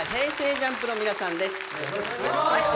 ＪＵＭＰの皆さんです。